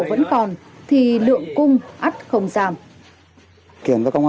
vẫn còn thì lượng cung